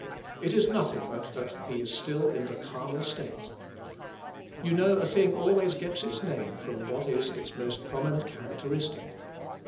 It is nothing but that he is still in the carnal state. You know a thing always gets its name from what is its most prominent characteristic.